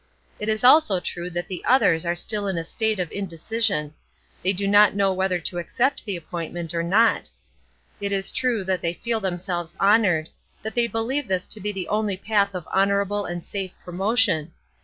It is also true that the others are still in a state of indecision; they do not know whether to accept the appointment or not. It is true that they feel themselves honored; that they believe this to be the only path of honorable and safe promotion.